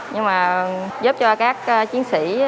nhưng mà giúp cho các chiến sĩ